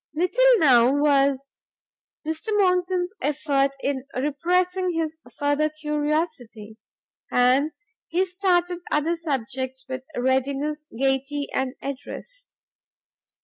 Little now was Mr Monckton's effort in repressing his further curiosity, and he started other subjects with readiness, gaiety and address.